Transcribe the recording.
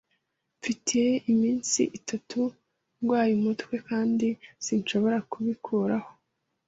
Mfite iminsi itatu ndwaye umutwe kandi sinshobora kubikuraho.